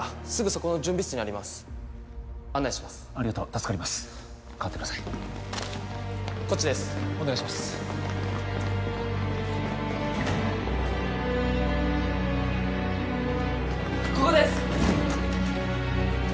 ここです！